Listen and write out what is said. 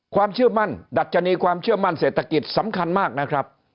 ความเชื่อมั่นดัชนีความเชื่อมั่นเศรษฐกิจสำคัญมากนะครับ